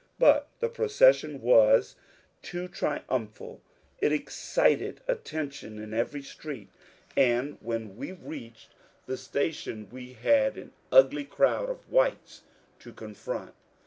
But the procession was too tri umphaL It excited attention in every street, and when we reached the station we had an ngly crowd of whites to con front.